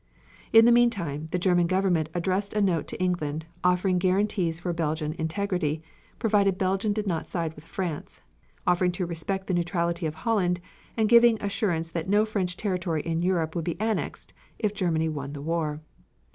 In the meantime, the German Government addressed a note to England offering guarantees for Belgian integrity, providing Belgium did not side with France, offering to respect the neutrality of Holland and giving assurance that no French territory in Europe would be annexed if Germany won the war.